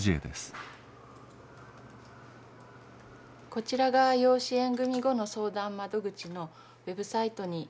こちらが養子縁組後の相談窓口のＷＥＢサイトになります。